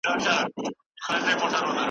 زده کړې نجونې د باور پر بنسټ همکاري هڅوي.